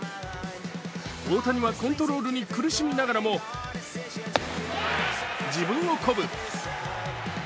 大谷はコントロールに苦しみながらも自分を鼓舞。